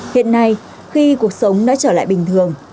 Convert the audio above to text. hiện nay khi cuộc sống đã trở lại bình thường